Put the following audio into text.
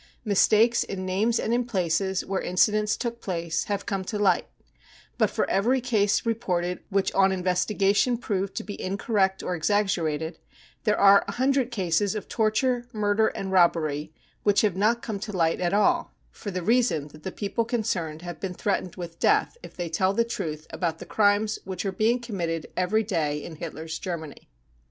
Mistakes in names and in places where incidents took place have come to light ; but for every c'ase reported which on investigation proved to be indirect or exaggerated, there are a hundred cases of torture, murder and robbery which have not come to light at all, for the reason that the people concerned have been threatened THE PERSECUTION OF JEWS 229 with death if they tell the truth about the crimes which are being committed every day in Hitler's Germany.